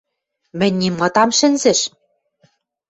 Мӹнь нимат ам шӹнзӹш.